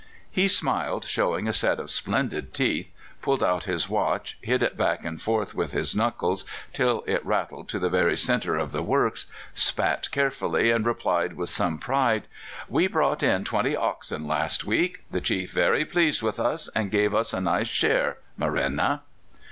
"He smiled, showing a set of splendid teeth, pulled out his watch, hit it back and front with his knuckles till it rattled to the very centre of the works, spat carefully, and replied with some pride: "'We brought in twenty oxen last week; the chief very pleased with us, and gave us a nice share, Marenna.